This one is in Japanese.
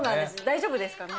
大丈夫ですかね？